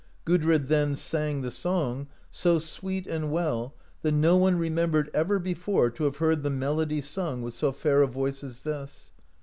Gudrid then sang the song, so sweet and well that no one remembered ever before to have heard the melody sung with so fair a voice as this.